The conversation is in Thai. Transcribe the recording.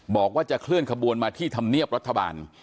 บอกว่าจะเคลื่อนขบวนมาที่ธรรมเนียบรัฐบาล